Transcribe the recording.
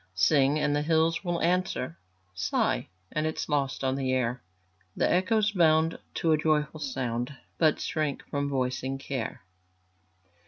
Sing, and the hills will answer; Sigh, it is lost on the air; The echoes bound to a joyful sound, But shrink from voicing care.